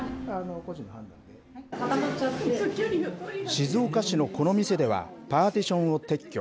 静岡市のこの店では、パーティションを撤去。